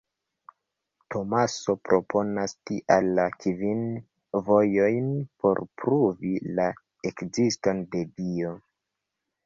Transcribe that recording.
Tomaso proponas, tial, la kvin “vojojn” por pruvi la ekziston de Dio.